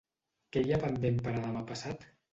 Què hi ha pendent per a demà-passat?